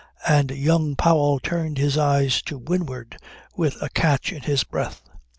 And young Powell turned his eyes to windward with a catch in his breath.